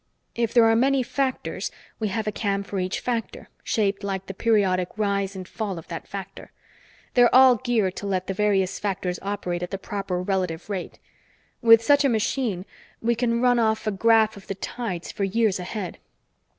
If there are many factors, we have a cam for each factor, shaped like the periodic rise and fall of that factor. They're all geared to let the various factors operate at the proper relative rate. With such a machine, we can run off a graph of the tides for years ahead.